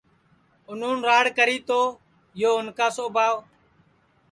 اُنون راڑ کری تو یو اُن کا سوبھاو